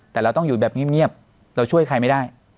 แต่เราต้องอยู่แบบเงียบเราช่วยใครไม่ได้